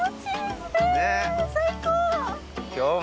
最高！